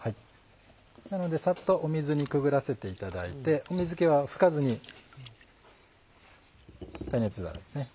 なのでサッと水にくぐらせていただいて水気は拭かずに耐熱皿ですね。